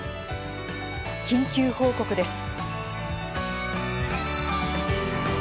緊急報告です。